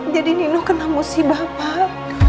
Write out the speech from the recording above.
jadi nino kena musibah pak